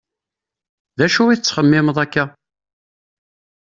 D acu i tettxemmimeḍ akka?